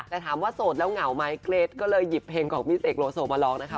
แต่ถามว่าโสดแล้วเหงาไหมเกรทก็เลยหยิบเพลงของพี่เสกโลโซมาร้องนะคะ